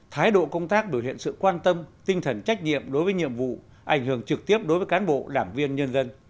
thái độ công tác biểu hiện sự quan tâm tinh thần trách nhiệm đối với nhiệm vụ ảnh hưởng trực tiếp đối với cán bộ đảng viên nhân dân